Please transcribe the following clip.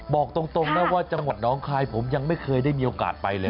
บอกตรงนะว่าจังหวัดน้องคายผมยังไม่เคยได้มีโอกาสไปเลย